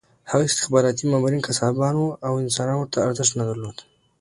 هغه استخباراتي مامورین قصابان وو او انسان ورته ارزښت نه درلود